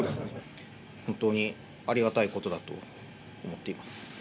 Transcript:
本当にありがたいことだと思っています。